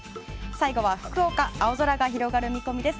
最後は福岡青空が広がる見込みです。